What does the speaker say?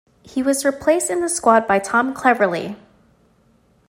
He was replaced in the squad by Tom Cleverley.